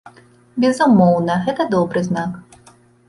Безумоўна, гэта добры знак.